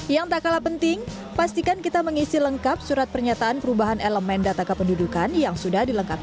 yang tak kalah penting pastikan kita mengisi lengkap surat pernyataan perubahan elemen data kependudukan yang sudah dilengkapi